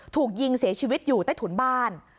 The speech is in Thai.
ถูกยิงเสียชีวิตอยู่ใต้ถุนบ้าน